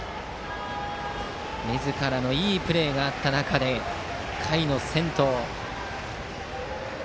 みずからのいいプレーがあった中で回の先頭。